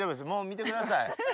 もう見てください。